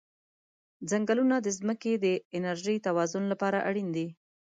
ځنګلونه د ځمکې د انرژی توازن لپاره اړین دي.